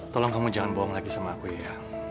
tolong kamu jangan bohong lagi sama aku ya